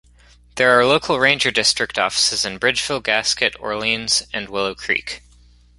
There are local ranger district offices in Bridgeville, Gasquet, Orleans, and Willow Creek.